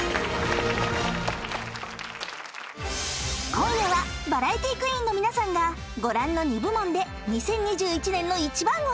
［今夜はバラエティークイーンの皆さんがご覧の２部門で２０２１年の一番を発表］